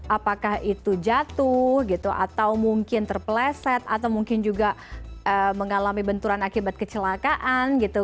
apakah itu jatuh gitu atau mungkin terpeleset atau mungkin juga mengalami benturan akibat kecelakaan gitu